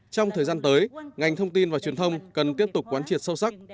trong thời gian tới ngành thông tin và truyền thông cần tiếp tục quán triệt sâu sắc